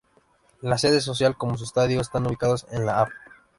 La sede social como su estadio están ubicados en la Av.